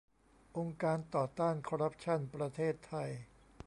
องค์การต่อต้านคอร์รัปชั่นประเทศไทย